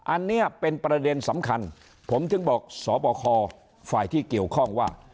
อันนี้เป็นประเด็นสำคัญผมถึงบอกสบคฝ่ายที่เกี่ยวข้องว่า